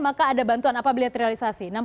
maka ada bantuan apabila terrealisasi